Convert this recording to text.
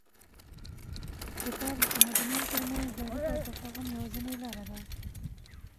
کتاب د تمدنونو تر منځ د اړیکو او تفاهم یوازینۍ لاره ده.